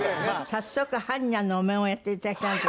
早速般若のお面をやっていただきたいなと。